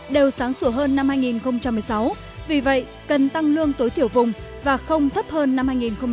đều sáng sủa hơn năm hai nghìn một mươi sáu vì vậy cần tăng lương tối thiểu vùng và không thấp hơn năm hai nghìn một mươi chín